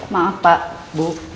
maaf pak bu